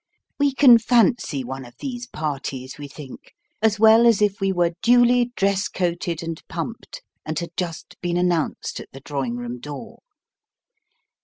We can fancy one of these parties, we think, as well as if we were duly dress coated and pumped, and had just been announced at the drawing room door.